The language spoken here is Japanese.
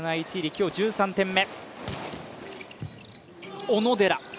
今日、１３点目。